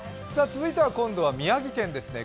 続いては、今度は宮城県ですね。